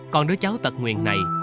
còn đứa cháu tật nguyền này